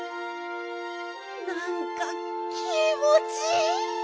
なんか気もちいい！